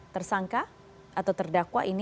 tersangka atau terdakwa ini